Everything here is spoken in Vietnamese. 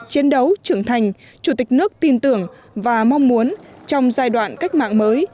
chiến đấu trưởng thành chủ tịch nước tin tưởng và mong muốn trong giai đoạn cách mạng mới